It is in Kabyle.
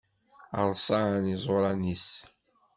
Rṣan iẓuṛan-is.